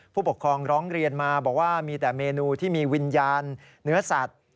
ผู้ปกครองร้องเรียนมาบอกว่ามีแต่เมนูที่มีวิญญาณเนื้อสัตว์